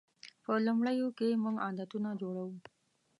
په لومړیو کې موږ عادتونه جوړوو.